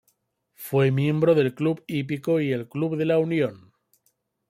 Fue miembro del Club Hípico y el Club de la Unión.